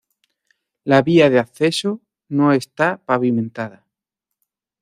La vía de acceso no está pavimentada.